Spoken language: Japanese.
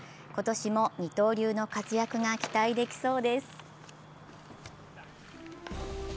今年も二刀流の活躍が期待できそうです。